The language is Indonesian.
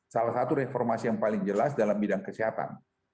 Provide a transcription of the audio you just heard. salah satu reformasi yang paling jelas dalam bidang kesehatan